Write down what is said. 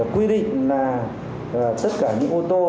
quy định là tất cả những ô tô